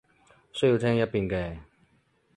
需要聽一遍嘅